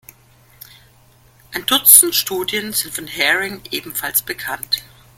Ein Dutzend Studien sind von Haring ebenfalls bekannt.